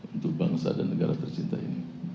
untuk bangsa dan negara tercinta ini